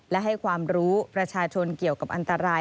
และให้ความรู้ประชาชนเกี่ยวกับอันตราย